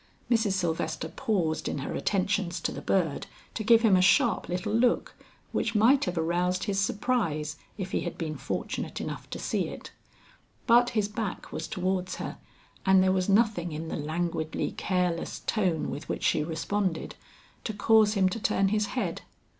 Mrs. Sylvester paused in her attentions to the bird to give him a sharp little look which might have aroused his surprise if he had been fortunate enough to see it. But his back was towards her, and there was nothing in the languidly careless tone with which she responded, to cause him to turn his head.